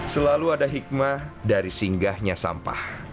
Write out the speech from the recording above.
selalu ada hikmah dari singgahnya sampah